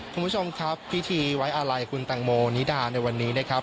คุณผู้ชมครับพิธีไว้อาลัยคุณตังโมนิดาในวันนี้นะครับ